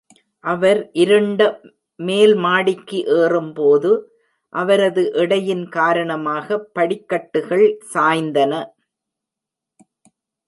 அவர் இருண்ட மேல் மாடிக்கு ஏறும்போது, அவரது எடையின் காரணமாக படிக்கட்டுகள் சாய்ந்தன.